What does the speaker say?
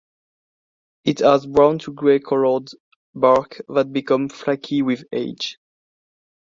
It has brown to grey coloured bark that become flaky with age.